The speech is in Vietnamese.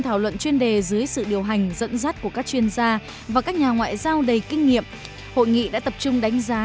hội nghị đã tập trung đánh giá